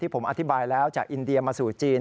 ผมอธิบายแล้วจากอินเดียมาสู่จีน